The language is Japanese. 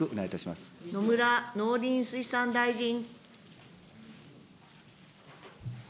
野村農林水産大臣。